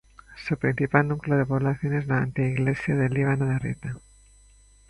Su principal núcleo de población es la anteiglesia de Líbano de Arrieta.